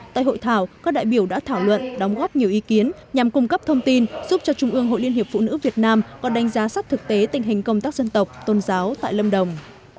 tại hội thảo các đại biểu đã thảo luận đóng góp nhiều ý kiến nhằm cung cấp thông tin giúp cho trung ương hội liên hiệp phụ nữ việt nam có đánh giá sát thực tế tình hình công tác dân tộc tôn giáo tại lâm đồng